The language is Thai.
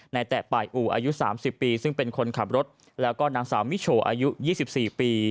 ในแต่ป่ายอู่อายุสามสิบปีซึ่งเป็นคนขับรถแล้วก็นางสามิโฉอายุยี่สิบสี่ปี